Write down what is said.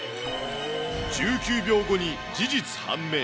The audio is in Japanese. １９秒後に事実判明。